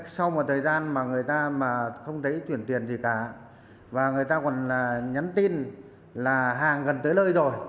sau một thời gian mà người ta mà không thấy chuyển tiền gì cả và người ta còn nhắn tin là hàng gần tới lơi rồi